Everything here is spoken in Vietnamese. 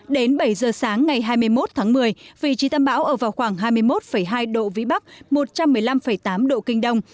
đến bảy giờ sáng ngày hai mươi một tháng một mươi vị trí tâm bão ở vào khoảng hai mươi một hai độ vĩ bắc một trăm một mươi năm tám độ kinh đông